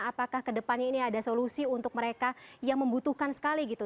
apakah kedepannya ini ada solusi untuk mereka yang membutuhkan sekali gitu